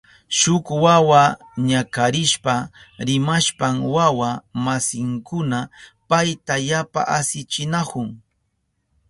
Shuk wawa ñakarishpa rimashpan wawa masinkuna payta yapa asichinahun.